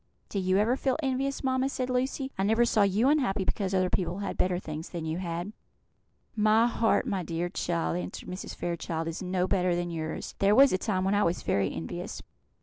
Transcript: "Do you ever feel envious, mamma?" said Lucy. "I never saw you unhappy because other people had better things than you had." "My heart, my dear child," answered Mrs. Fairchild, "is no better than yours. There was a time when I was very envious.